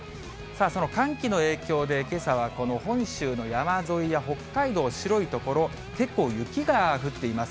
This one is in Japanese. その寒気の影響で、けさはこの本州の山沿いや北海道、白い所、結構雪が降っています。